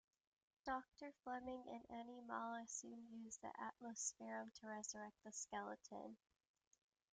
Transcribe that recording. Doctor Fleming and Animala soon use the atmosphereum to resurrect the Skeleton.